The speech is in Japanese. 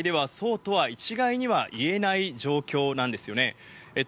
現段階ではそうとは一概には言えない状況なんですよね。